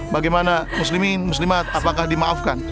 bagaimana muslimin muslimat apakah dimaafkan